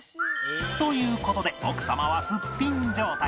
という事で奥様はすっぴん状態